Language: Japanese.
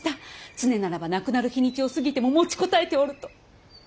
常ならば亡くなる日にちを過ぎても持ちこたえておると。